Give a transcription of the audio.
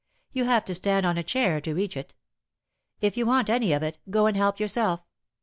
You have to stand on a chair to reach it. If you want any of it, go and help yourself.